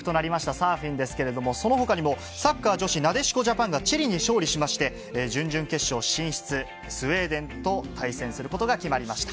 サーフィンですけれども、そのほかにも、サッカー女子、なでしこジャパンがチリに勝利しまして、準々決勝進出、スウェーデンと対戦することが決まりました。